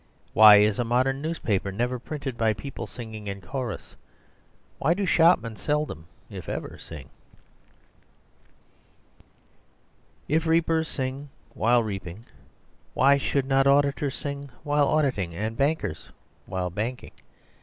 Why is a modern newspaper never printed by people singing in chorus? Why do shopmen seldom, if ever, sing? ..... If reapers sing while reaping, why should not auditors sing while auditing and bankers while banking?